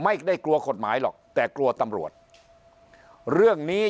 ไม่ได้กลัวกฎหมายหรอกแต่กลัวตำรวจเรื่องนี้